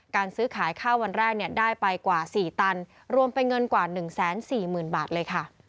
ซื้อขายข้าววันแรกได้ไปกว่า๔ตันรวมเป็นเงินกว่า๑๔๐๐๐บาทเลยค่ะ